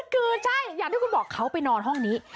คือใช่อย่างที่คุณบอกเขาไปนอนห้องนี้